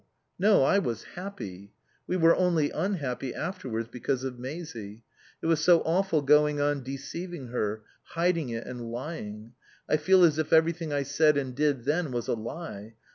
No. I was happy. We were only unhappy afterwards because of Maisie. It was so awful going on deceiving her, hiding it and lying. I feel as if everything I said and did then was a lie.